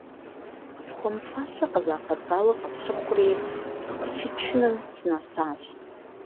Схуэмыфащэ къызапэсауэ къысщыхъури, сыкъыщичыным сынэсащ.